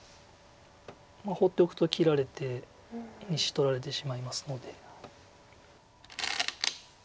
放っておくと切られて２子取られてしまいますので。